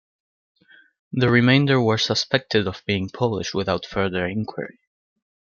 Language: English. The remainder were 'suspected' of being Polish, without further inquiry.